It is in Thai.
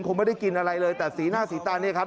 คงไม่ได้กินอะไรเลยแต่สีหน้าสีตาเนี่ยครับ